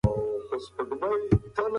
کمزوري ادارې ستونزې نه شي اداره کولی.